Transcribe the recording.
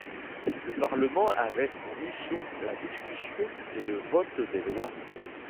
Le parlement avait pour mission la discussion et le vote des lois.